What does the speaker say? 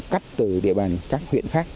cắt từ địa bàn các huyện khác